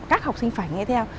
các học sinh phải nghe theo